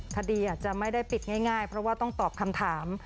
คดีอาจจะไม่ได้ปิดง่ายเพราะว่าต้องตอบคำถาม